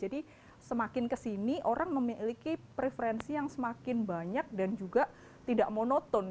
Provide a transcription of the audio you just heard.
jadi semakin ke sini orang memiliki preferensi yang semakin banyak dan juga tidak monoton